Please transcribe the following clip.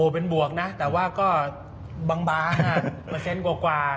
เป็นบวกนะแต่ว่าก็บางบาห์๕กว่า